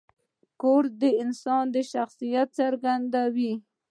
کور د انسان شخصیت څرګندوي.